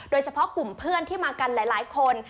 โดยเฉพาะกลุ่มเพื่อนที่มากันหลายคน